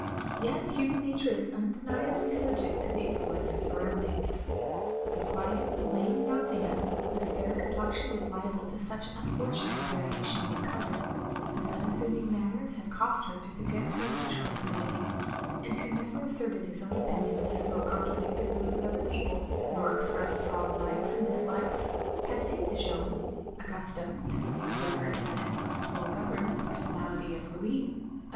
Yet human nature is tmddniably subject to the influence of surrotmdings. The quiet, lame young man, whose fair com plexion was liable to such unfortunate variations of colour, — whose unassuming manners had caused her to forget her natural timidity, — and who never asserted his own opinions, nor contradicted those of other people, nor expressed strong likes and dislikes — ^had seemed to Jeanne, (accustomed to the more vigorous, or less well governed, personality of Louis) — a.